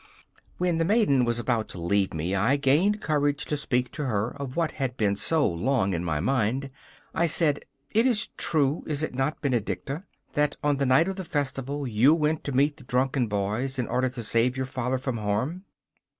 When the maiden was about to leave me I gained courage to speak to her of what had been so long in my mind. I said: 'It is true, is it not, Benedicta, that on the night of the festival you went to meet the drunken boys in order to save your father from harm?